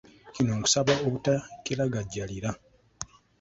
Kino nkusaba obutakiragajjalira.